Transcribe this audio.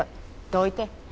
どいて。